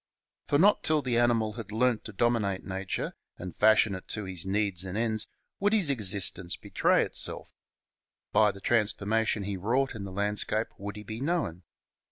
For not till the animal had learnt to dominate nature and fashion it to his needs and ends would his existence betray itself. By the transformation he wrought in the landscape would he be known.